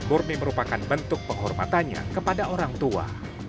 murni merupakan bentuk penghormatannya kepada orang tua